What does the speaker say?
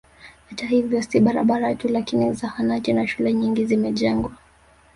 Hata hivyo si barabara tu lakini zahanati na shule nyingi zimejengwa